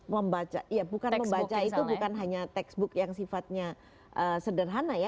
membaca ya bukan membaca itu bukan hanya textbook yang sifatnya sederhana ya